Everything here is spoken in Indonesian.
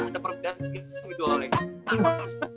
ada perbedaan gitu sama itu